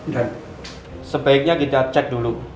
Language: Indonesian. dan sebaiknya kita cek dulu